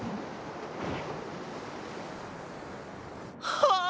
はあ！